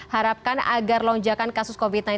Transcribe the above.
harapkan agar lonjakan kasus covid sembilan belas